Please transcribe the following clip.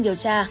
chỉ hiện tình